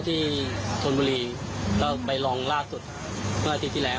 ที่ชนบุรีเราไปลองล่าสุดเมื่ออาทิตย์ที่แล้ว